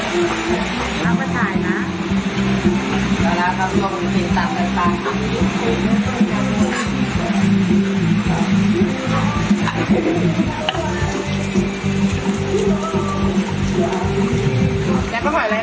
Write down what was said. กลับไปเลยกลับไปเลย